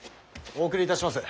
お送りいたします。